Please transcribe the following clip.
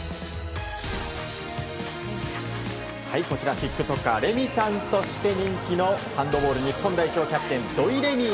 ティックトッカーレミたんとして人気のハンドボール日本代表キャプテン土井レミイ